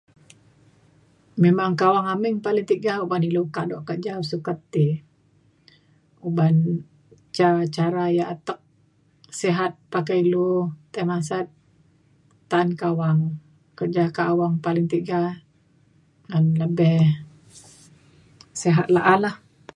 memang kawang amin paling tiga uban ilu kado kerja sukat ti uban ca cara yak atek sehat pakai ilu tai masat ta’an kawang kerja kak awang paling tiga ngan lebih sehat la’a lah